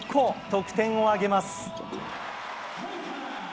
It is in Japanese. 得点を挙げます。